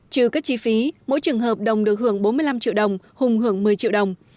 trừ các chi phí mỗi trường hợp đồng được hưởng bốn mươi năm triệu đồng hùng hưởng một mươi triệu đồng